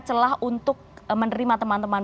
celah untuk menerima teman teman